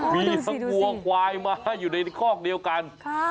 มีสกัวควายมาอยู่ในคอกเดียวกัน